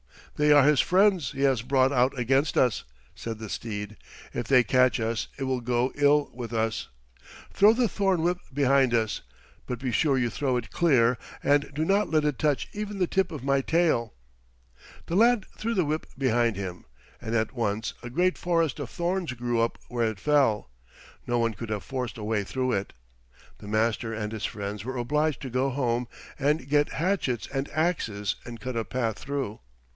"They are his friends he has brought out against us," said the steed. "If they catch us it will go ill with us. Throw the thorn whip behind us, but be sure you throw it clear and do not let it touch even the tip of my tail." The lad threw the whip behind him, and at once a great forest of thorns grew up where it fell. No one could have forced a way through it. The Master and his friends were obliged to go home and get hatchets and axes and cut a path through.